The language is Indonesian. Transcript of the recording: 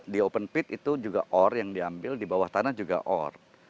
di open pit itu juga ore yang diambil di bawah tanah juga ore